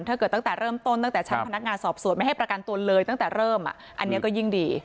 ตั้งแต่เริ่มต้นตั้งแต่ชั้นพนักงานสอบสวนไม่ให้ประกันตัวเลยตั้งแต่เริ่มอันนี้ก็ยิ่งดี